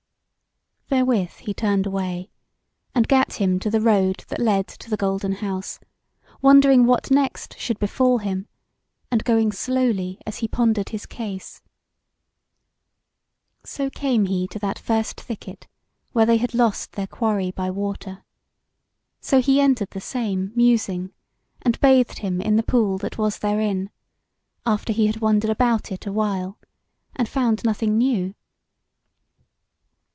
Therewith he turned away, and gat him to the road that led to the Golden House, wondering what next should befall him, and going slowly as he pondered his case. So came he to that first thicket where they had lost their quarry by water; so he entered the same, musing, and bathed him in the pool that was therein, after he had wandered about it awhile, and found nothing new.